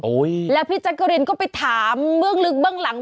โอ้ยและพี่แจ๊กการีนก็ไปถามเมื่องลึกเบื้องหลัง